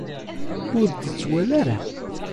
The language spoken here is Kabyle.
Ur d-ittwali ara.